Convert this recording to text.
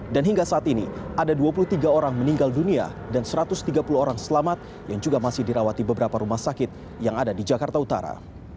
dan hingga saat ini ada dua puluh tiga orang meninggal dunia dan satu ratus tiga puluh orang selamat yang juga masih dirawati beberapa rumah sakit yang ada di jakarta utara